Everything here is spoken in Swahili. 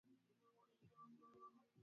Wanyama ambao wamerundikwa